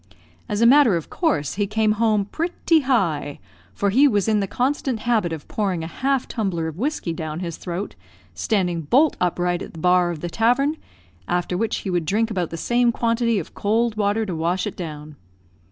As a matter of course, he came home "pretty high;" for he was in the constant habit of pouring a half tumbler of whiskey down his throat, standing bolt upright at the bar of the tavern, after which he would drink about the same quantity of cold water to wash it down.